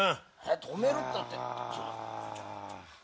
止めるったって。